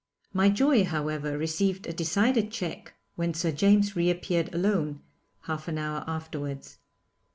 My joy, however, received a decided check when Sir James reappeared alone, half an hour afterwards.